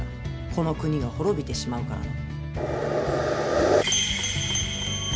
この国が滅びてしまうからの。